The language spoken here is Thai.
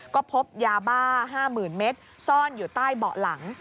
ก็พบยาบ้า๕๐๐๐เมตรซ่อนอยู่ใต้เบาะหลัง